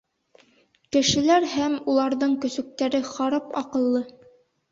— Кешеләр һәм уларҙың көсөктәре харап аҡыллы.